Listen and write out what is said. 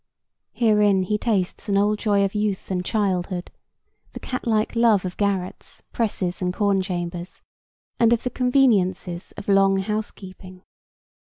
Herein he tastes an old joy of youth and childhood, the cat like love of garrets, presses and corn chambers, and of the conveniences of long housekeeping.